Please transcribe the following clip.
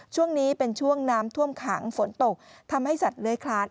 ช่วงนี้เป็นช่วงน้ำท่วมขังฝนตกทำให้สัตว์เลื้อยคลาน